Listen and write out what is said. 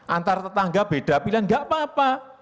antar tetangga beda pilihan enggak apa apa